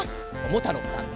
ももたろうさん